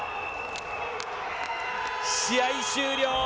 試合終了。